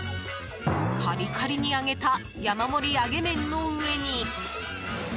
カリカリに揚げた山盛り揚げ麺の上に。